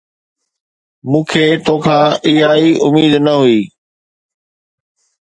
مون کي تو کان اها ئي اميد نه هئي